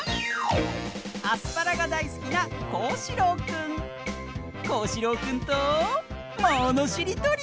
アスパラがだいすきなこうしろうくんとものしりとり！